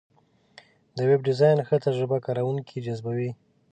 د ویب ډیزاین ښه تجربه کارونکي جذبوي.